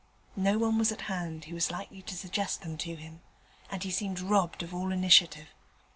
No one was at hand who was likely to suggest them to him, and he seemed robbed of all initiative.